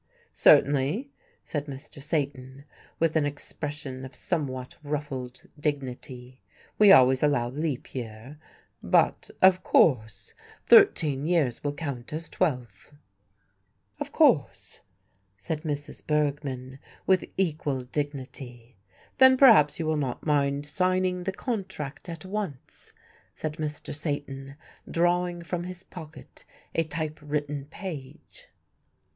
"Certainly," said Mr. Satan, with an expression of somewhat ruffled dignity, "we always allow leap year, but, of course, thirteen years will count as twelve." "Of course," said Mrs. Bergmann with equal dignity. "Then perhaps you will not mind signing the contract at once," said Mr. Satan, drawing from his pocket a type written page.